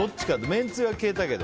めんつゆは消えたけど。